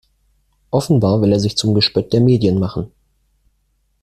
Offenbar will er sich zum Gespött der Medien machen.